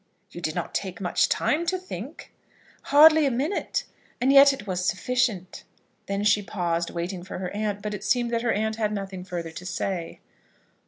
"You did not take much time to think." "Hardly a minute and yet it was sufficient." Then she paused, waiting for her aunt; but it seemed that her aunt had nothing further to say.